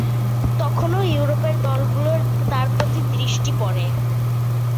তখনই ইউরোপের দলগুলোর তার প্রতি দৃষ্টি পড়ে।